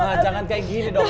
mama jangan kayak gini dok